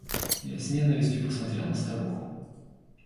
Я с ненавистью посмотрел на старуху.